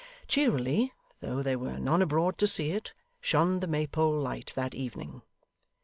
Cheerily, though there were none abroad to see it, shone the Maypole light that evening.